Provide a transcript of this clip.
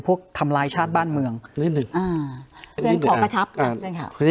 พวกทำลายชาติบ้านเมืองนี่หนึ่งอ่าเจนขอกระชับก่อนเจนครับ